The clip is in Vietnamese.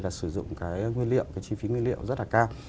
là sử dụng cái nguyên liệu cái chi phí nguyên liệu rất là cao